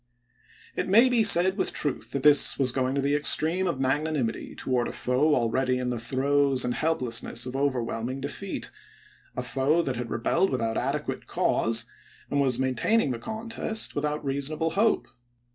It may be said with truth that this was going to Feb., 1864. the extreme of magnanimity toward a foe already in the throes and helplessness of overwhelming de feat— a foe that had rebelled without adequate cause and was maintaining the contest without reasonable hope.